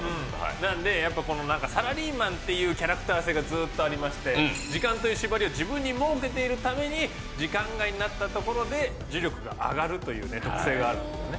なのでやっぱこのなんかサラリーマンっていうキャラクター性がずっとありまして時間という縛りを自分に設けているために時間外になったところで呪力が上がるというね特性があるんですよね。